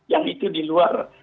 yang itu di luar